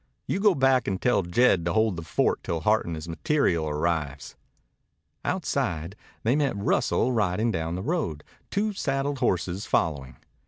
"You go back and tell Jed to hold the fort till Hart and his material arrives." Outside, they met Russell riding down the road, two saddled horses following.